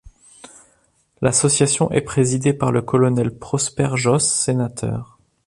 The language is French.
L'association est présidée par le colonel Prosper Josse, sénateur.